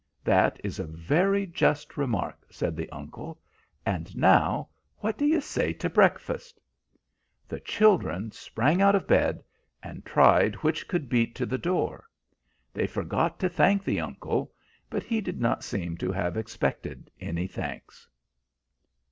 "That is a very just remark," said the uncle. "And now what do you say to breakfast?" The children sprang out of bed, and tried which could beat to the door. They forgot to thank the uncle, but he did not seem to have expected any thanks.